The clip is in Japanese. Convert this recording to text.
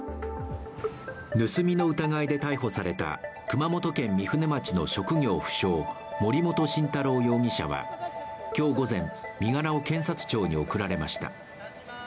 盗みの疑いで逮捕された熊本県御船町の職業不詳、森本晋太郎容疑者は今日午前、身柄を検察庁に送られました。